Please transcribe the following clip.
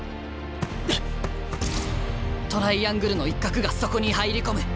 トライアングルの一角がそこに入り込む。